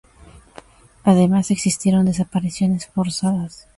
Además, existieron desapariciones forzadas.